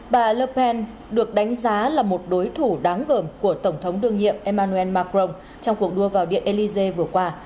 bà le penn được đánh giá là một đối thủ đáng gồm của tổng thống đương nhiệm emmanuel macron trong cuộc đua vào điện élysée vừa qua